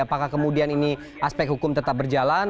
apakah kemudian ini aspek hukum tetap berjalan